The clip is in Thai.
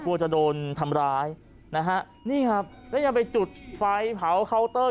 กลัวจะโดนทำร้ายนะฮะนี่ครับแล้วยังไปจุดไฟเผาเคาน์เตอร์